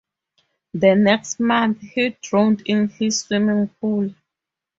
The next month he drowned in his swimming pool.